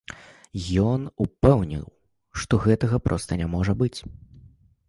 Ён упэўніў, што гэтага проста не можа быць.